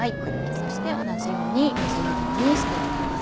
そして同じようにみじん切りにして行きます。